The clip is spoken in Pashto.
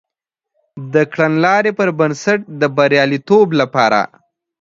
د کړنلاري پر بنسټ د بریالیتوب لپاره